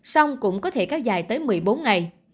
xong cũng có thể kéo dài tới một mươi bốn ngày